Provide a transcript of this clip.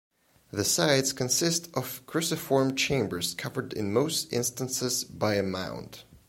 The sites consist of cruciform chambers covered in most instances by a mound.